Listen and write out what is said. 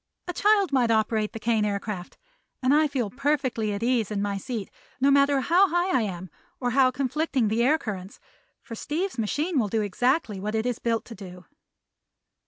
A child might operate the Kane Aircraft, and I feel perfectly at ease in my seat, no matter how high I am or how conflicting the air currents; for Steve's machine will do exactly what it is built to do."